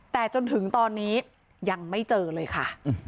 แต่จนถึงตอนนี้ยังไม่เจอเลยค่ะ